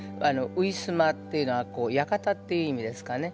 ウィスマっていうのは館っていう意味ですかね。